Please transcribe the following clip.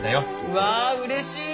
うわあうれしい！